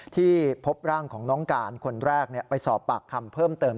ที่พบร่างของน้องการคนแรกไปสอบปากคำเพิ่มเติม